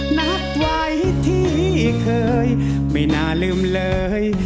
นัดไว้ที่เคยไม่น่าลืมเลย